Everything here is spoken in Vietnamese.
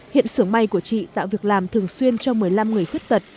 hiện xưởng may của chị tạo việc làm thường xuyên cho một mươi năm người khuyết tật